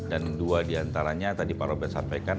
dan dua diantaranya tadi pak robet sampai ketua